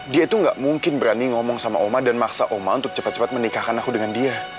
dia itu gak mungkin berani ngomong sama oma dan maksa oma untuk cepat cepat menikahkan aku dengan dia